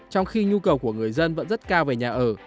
trong khi nhu cầu của người dân vẫn rất cao về nhà ở